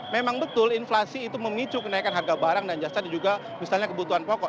memang betul inflasi itu memicu kenaikan harga barang dan jasa dan juga misalnya kebutuhan pokok